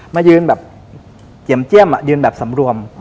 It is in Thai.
มายืนแบบเจียมเจี้ยมยืนแบบสำรวม